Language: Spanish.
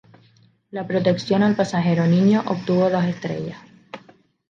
La protección al pasajero niño obtuvo dos estrellas.